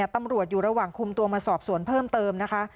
ตำรวจอยู่ระหว่างคุมตัวมาสอบสวนเพิ่มเติมนะคะ